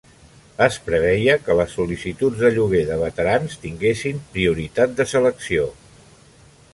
Es preveia que les sol·licituds de lloguer de veterans tinguessin prioritat de selecció.